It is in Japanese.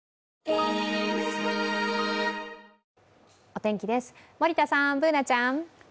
お天気です、森田さんＢｏｏｎａちゃん。